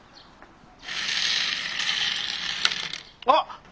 あっ！